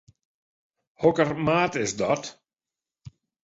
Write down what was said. Hokker maat is dat?